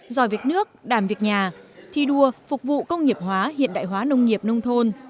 giỏi việc nước đảm việc nhà thi đua phục vụ công nghiệp hóa hiện đại hóa nông nghiệp nông thôn